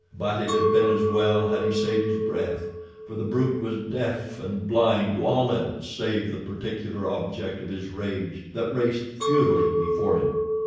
But it had been as well had he saved his breath, for the brute was deaf and blind to all else save the particular object of his rage that raced futilely before him.